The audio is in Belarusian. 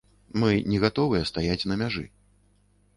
Мы не гатовыя стаяць на мяжы.